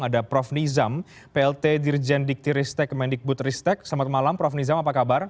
ada prof nizam plt dirjen diktiristek kemendikbud ristek selamat malam prof nizam apa kabar